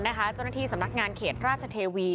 เจ้าหน้าที่สำนักงานเขตราชเทวี